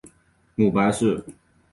母白氏。